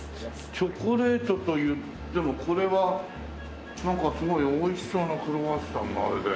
チョコレートというでもこれはなんかすごい美味しそうなクロワッサンのあれで。